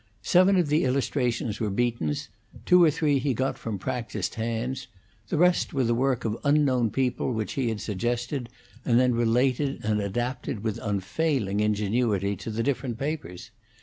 Seven of the illustrations were Beaton's; two or three he got from practised hands; the rest were the work of unknown people which he had suggested, and then related and adapted with unfailing ingenuity to the different papers.